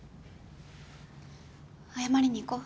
謝りに行こう。